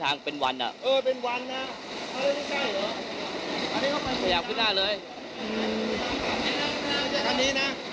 ตัวนี้ขายเท่าไร